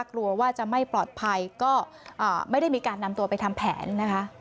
กลัวว่าจะไม่ปลอดภัยก็ไม่ได้มีการนำตัวไปทำแผนนะคะ